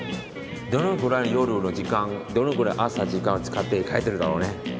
どのぐらい夜の時間どのぐらい朝時間を使って描いてるだろうね。